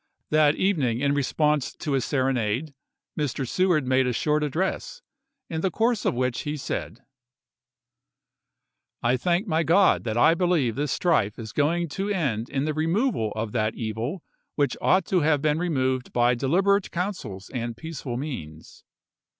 That evening in response to a serenade Mr. Seward made a short address, in the course of which he said : I thank my God that I believe this strife is going to end in the removal of that evil which ought to have been removed by deliberate councils and peaceful means.